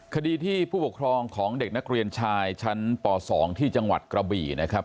คดีที่ผู้ปกครองของเด็กนักเรียนชายชั้นป๒ที่จังหวัดกระบี่นะครับ